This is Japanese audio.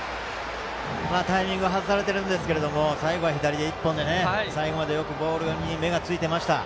タイミングは外されてますが最後は左手１本で最後までボールによく目がついていました。